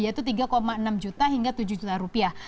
yaitu tiga enam juta hingga tujuh juta rupiah